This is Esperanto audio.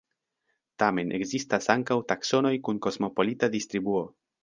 Tamen ekzistas ankaŭ taksonoj kun kosmopolita distribuo.